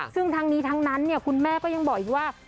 ซึ่งทั้งนี้ทั้งนั้นคุณแม่ก็ยังบอกอีกว่า